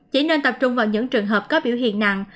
chỉ nên tập trung vào những trường hợp có biểu hiện nặng